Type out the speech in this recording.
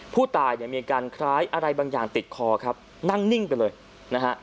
ผู้ตายเนี่ยมีอาการคล้ายอะไรบางอย่างติดคอครับนั่งนิ่งไปเลยนะฮะ